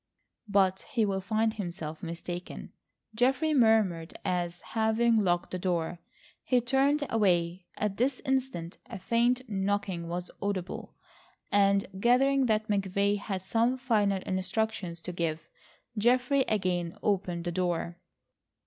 "But he'll find himself mistaken," Geoffrey murmured as, having locked the door, he turned away. At this instant a faint knocking was audible, and, gathering that McVay had some final instructions to give, Geoffrey again opened the door.